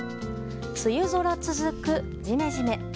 梅雨空続く、ジメジメ。